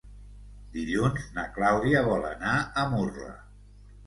Dilluns na Clàudia vol anar a Murla.